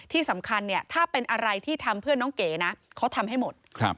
ที่สำคัญเนี่ยถ้าเป็นอะไรที่ทำเพื่อนน้องเก๋นะเขาทำให้หมด